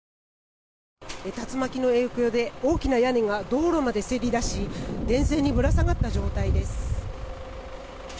竜巻の影響で大きな屋根が道路までせり出し電線にぶら下がった状態です。